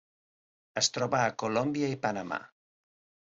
Es troba a Colòmbia i Panamà.